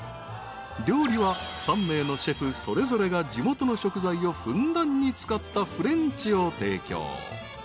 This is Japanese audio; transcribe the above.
［料理は３名のシェフそれぞれが地元の食材をふんだんに使ったフレンチを提供］